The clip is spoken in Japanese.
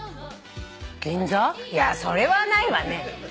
いやそれはないわね。